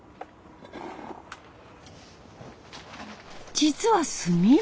実は炭火。